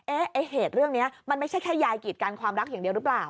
ไอ้เหตุเรื่องนี้มันไม่ใช่แค่ยายกีดกันความรักอย่างเดียวหรือเปล่า